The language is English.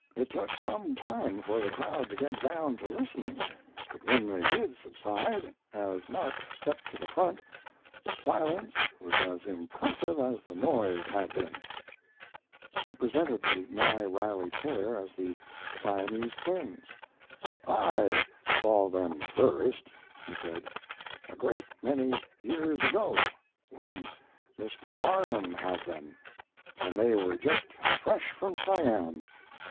It took some time for the crowd to get down to listening, but when they did subside, as Mark stepped to the front, the silence was as impressive as the noise had been. He presented the Nye Riley pair as the Siamese Twins. "I saw them first," he sand, "a great many years ago, when Mr. Barnum had them, and they were just fresh from Siam.